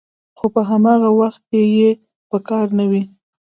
خو په هماغه وخت کې یې په کار نه وي